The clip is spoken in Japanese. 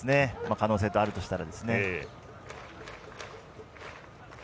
可能性があるとしたら。